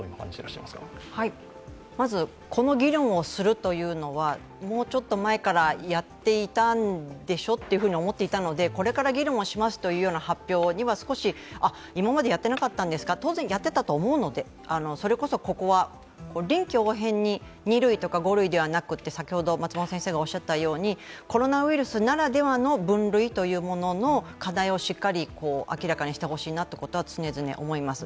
まずこの議論をするというのは、もうちょっと前からやっていたんでしょと思っていたのでこれから議論をしますというような発表は少し、今までやっていなかったんですか、当然やっていたと思うので、それこそここは臨機応変に２類とか５類ではなくて、コロナウイルスならではの分類というものの課題をしっかり明らかにしてほしいなということは常々思います。